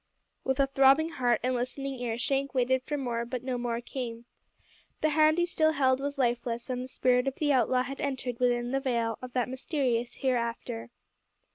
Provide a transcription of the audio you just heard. With a throbbing heart and listening ear Shank waited for more; but no more came. The hand he still held was lifeless, and the spirit of the outlaw had entered within the veil of that mysterious Hereafter.